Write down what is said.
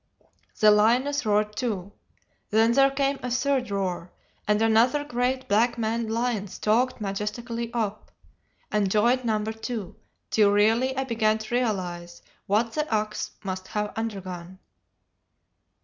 The lioness roared too; then there came a third roar, and another great black maned lion stalked majestically up, and joined number two, till really I began to realize what the ox must have undergone.